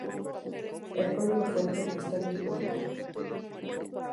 El código fuente está disponible.